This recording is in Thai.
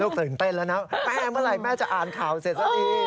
ตื่นเต้นแล้วนะแม่เมื่อไหร่แม่จะอ่านข่าวเสร็จสักที